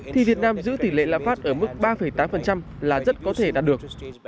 thì việt nam giữ tỷ lệ lạm phát ở mức ba tám là rất có thể đạt được